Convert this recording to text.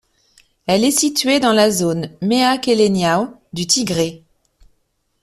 Elle est située dans la zone Mehakelegnaw du Tigré.